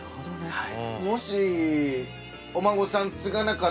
はい。